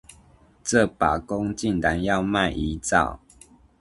這把弓竟然要賣一兆